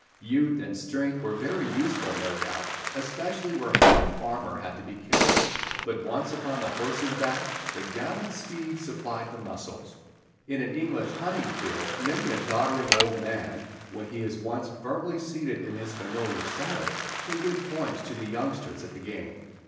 Youth and strength were very useful, no doubt, especially where heavy armour had to be carried, but once on the horse's back the gallant steed supplied the muscles. In an English hunting field many a doddering old man, when he is once firmly seated in his familiar saddle, can give points to the youngsters at the game.